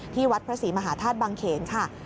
วัดพระศรีมหาธาตุบังเขนค่ะ